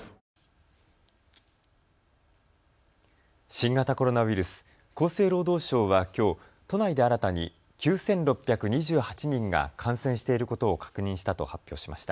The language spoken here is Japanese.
新型コロナウイルス、厚生労働省はきょう都内で新たに９６２８人が感染していることを確認したと発表しました。